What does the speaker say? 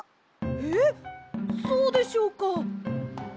えっそうでしょうか？